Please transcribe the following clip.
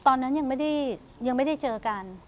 ตอนนั้นยังไม่ได้เจอกัน